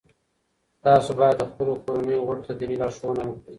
تاسو باید د خپلو کورنیو غړو ته دیني لارښوونه وکړئ.